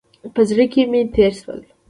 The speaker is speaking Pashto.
په زړه کې مې تېر شول.